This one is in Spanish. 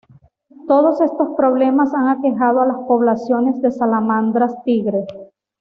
Todos estos problemas han aquejado a las poblaciones de salamandras tigre.